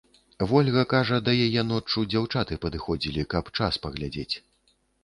Вольга кажа, да яе ноччу дзяўчаты падыходзілі, каб час паглядзець.